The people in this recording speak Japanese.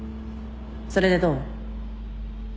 それでどう？